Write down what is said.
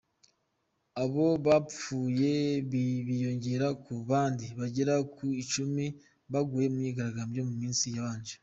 Abo bapfuye biyongera ku bandi bagera ku icumu baguye mu myigarambyo mu minsi yabanje.